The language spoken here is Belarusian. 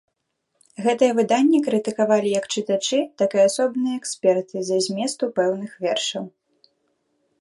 Гэтыя выданні крытыкавалі як чытачы, так і асобныя эксперты з-за зместу пэўных вершаў.